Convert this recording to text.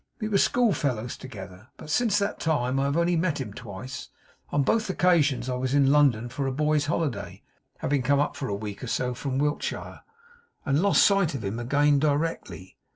We were school fellows together; but since that time I have only met him twice. On both occasions I was in London for a boy's holiday (having come up for a week or so from Wiltshire), and lost sight of him again directly.